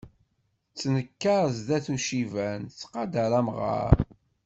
Ttnekkar zdat n uciban, ttqadaṛ amɣar.